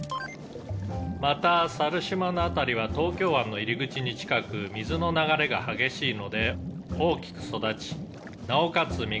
「また猿島の辺りは東京湾の入り口に近く水の流れが激しいので大きく育ちなおかつ